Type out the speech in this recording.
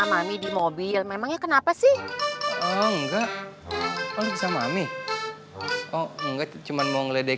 lagi sama mami di mobil memangnya kenapa sih enggak sama mami oh enggak cuman mau ledek